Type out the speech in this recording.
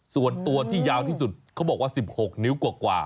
ส่วนตัวที่ยาวที่สุดเขาบอกว่า๑๖นิ้วกว่า